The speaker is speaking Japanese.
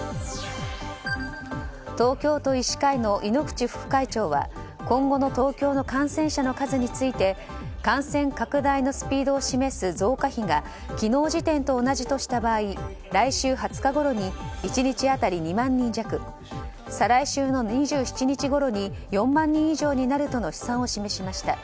東京都医師会の猪口副会長は今後の東京の感染者の数について感染拡大のスピードを示す増加比が昨日時点と同じとした場合来週２０日ごろに１日当たり２万人弱再来週の２７日ごろに４万人以上になるとの試算を示しました。